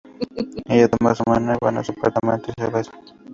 Ella toma su mano, van a su apartamento y se besan.